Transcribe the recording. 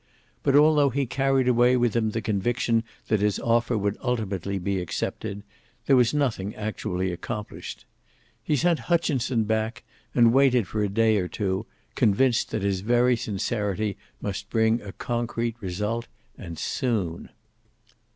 But, although he carried away with him the conviction that his offer would ultimately be accepted, there was nothing actually accomplished. He sent Hutchinson back, and waited for a day or two, convinced that his very sincerity must bring a concrete result, and soon.